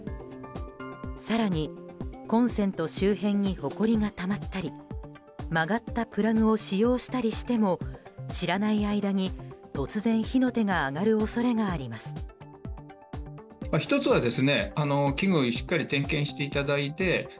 更にコンセント周辺にほこりがたまったり曲がったプラグを使用したりしても知らない間に突然、火の手が上がる恐れがあります。